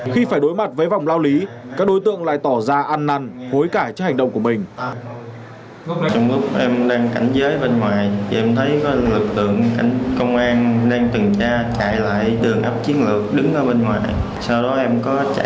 khi phải đối mặt với vòng lao lý các đối tượng lại tỏ ra ăn nằn hối cãi cho hành động của mình